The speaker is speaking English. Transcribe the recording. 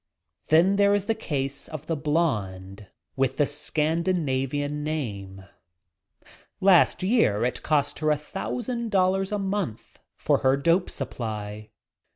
Then there is the case of the blonde with the ■_ an name. Last year it cost her a thous and dollars a month for her dope supply.